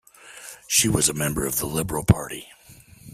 She was a member of the Liberal Party.